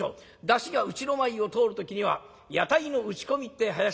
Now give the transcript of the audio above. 山車がうちの前を通る時には屋台の打ち込みってえ囃子になる。